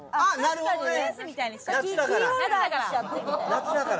夏だから！